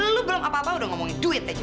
lu belum apa apa udah ngomongin duit aja